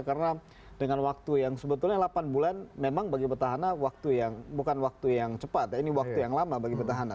karena dengan waktu yang sebetulnya delapan bulan memang bagi petahana bukan waktu yang cepat ya ini waktu yang lama bagi petahana